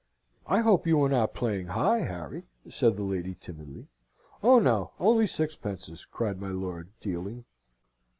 "I hope you are not playing high, Harry?" said the lady, timidly. "Oh no, only sixpences," cried my lord, dealing.